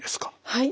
はい。